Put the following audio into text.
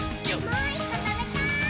もう１こ、たべたい！